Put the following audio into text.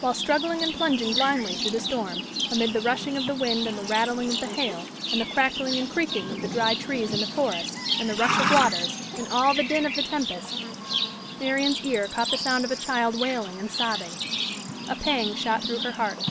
While struggling and plunging blindly through the storm, amid the rushing of the wind and the rattling of the hail, and the crackling and creaking of the dry trees in the forest, and the rush of waters, and all the din of the tempest, Marian's ear caught the sound of a child wailing and sobbing. A pang shot through her heart.